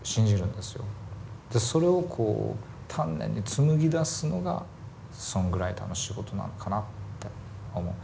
でそれをこう丹念に紡ぎ出すのがソングライターの仕事なのかなって思う。